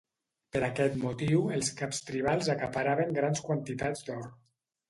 Per aquest motiu els caps tribals acaparaven grans quantitats d'or.